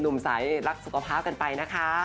ุ่มใสรักสุขภาพกันไปนะคะ